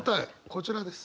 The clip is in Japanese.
こちらです。